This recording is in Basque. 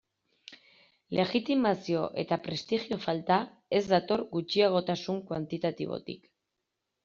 Legitimazio eta prestigio falta ez dator gutxiagotasun kuantitatibotik.